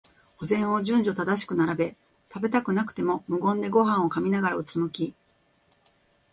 お膳を順序正しく並べ、食べたくなくても無言でごはんを噛みながら、うつむき、